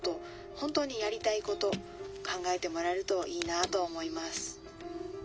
本当にやりたいこと考えてもらえるといいなと思います」。